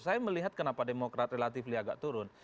saya melihat kenapa demokrat relatif agak turun